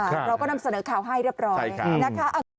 เราก็นำเสนอข่าวให้เรียบร้อยนะคะ